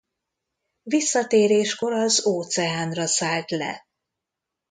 Visszatéréskor az óceánra szállt le.